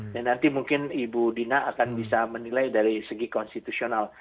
dan nanti mungkin ibu dina akan bisa menilai dari segi konstitusional